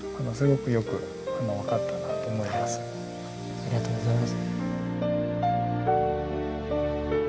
ありがとうございます。